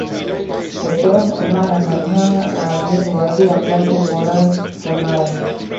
The term "ama" and "aka" have been widely applied to modern trimarans.